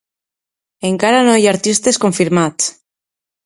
Encara no hi ha artistes confirmats.